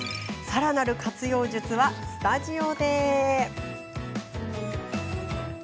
さらなる活用術はスタジオで。